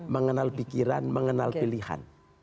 mengenal pikiran mengenal pilihan